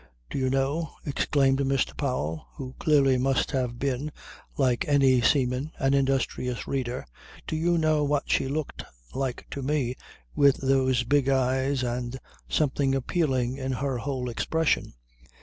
Do you know," exclaimed Mr. Powell, who clearly must have been, like many seamen, an industrious reader, "do you know what she looked like to me with those big eyes and something appealing in her whole expression.